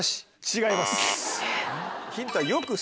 違います。